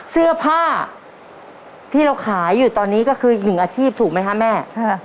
เสื้อผ้าที่เราขายอยู่ตอนนี้ก็คืออีกหนึ่งอาชีพถูกไหมคะแม่